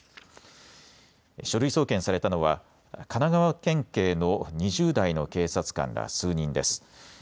書類送検されたのは神奈川県警の２０代の警察官ら数人です。